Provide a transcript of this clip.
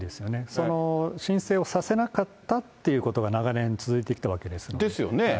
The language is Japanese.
その、申請をさせなかったっていうことが長年続いてきたわけですですよね、